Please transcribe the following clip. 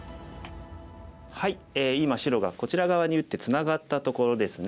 今白がこちら側に打ってツナがったところですね。